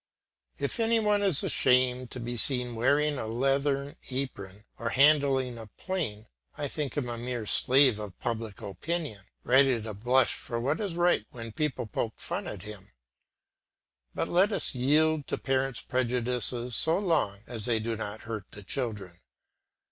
If any one is ashamed to be seen wearing a leathern apron or handling a plane, I think him a mere slave of public opinion, ready to blush for what is right when people poke fun at it. But let us yield to parents' prejudices so long as they do not hurt the children.